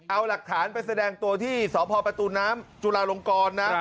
เอาหลักฐานไปแสดงตัวที่สพประตูน้ำจุลาลงกรนะ